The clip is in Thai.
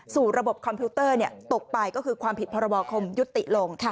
ระบบคอมพิวเตอร์ตกไปก็คือความผิดพรบคมยุติลง